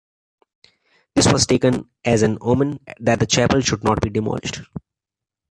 This was taken as an omen that the chapel should not be demolished.